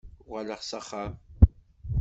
Uɣaleɣ s axxam.